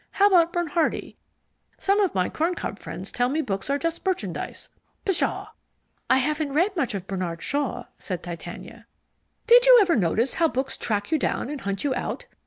How about Bernhardi? Some of my Corn Cob friends tell me books are just merchandise. Pshaw!" "I haven't read much of Bernard Shaw" said Titania. "Did you ever notice how books track you down and hunt you out?